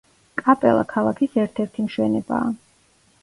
კაპელა ქალაქის ერთერთი მშვენებაა.